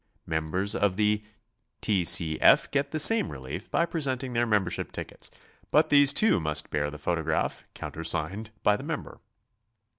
Members of the T. C. F. get the same relief by presenting their membership tickets, but these too must bear the photograph, countersigned by the mem ber.